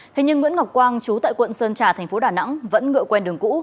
thế nhưng nguyễn ngọc quang chú tại quận sơn trà thành phố đà nẵng vẫn ngựa quen đường cũ